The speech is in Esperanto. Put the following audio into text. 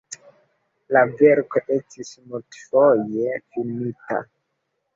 La verko estis multfoje filmita.